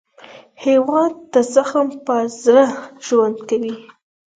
هېواد د زغم په زړه ژوند کوي.